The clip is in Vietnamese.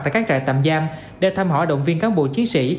với các trại tạm giam để tham họa động viên cán bộ chiến sĩ